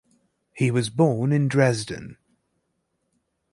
He was born in Dresden.